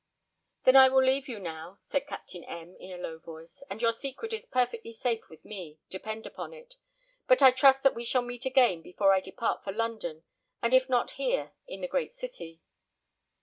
"Then I will leave you now," said Captain M , in a low voice, "and your secret is perfectly safe with me, depend upon it; but I trust that we shall meet again before I depart for London, and if not here, in the great city."